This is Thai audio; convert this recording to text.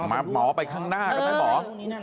ถ้าแต่หมอไปข้างหน้าก็ไม่หมอ